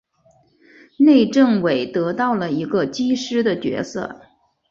冈政伟得到了一个机师的角色。